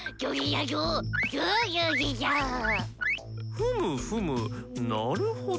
ふむふむなるほど。